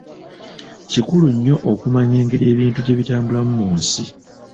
Kikulu nnyo okumanya engeri ebintu gye bitambulamu mu nsi.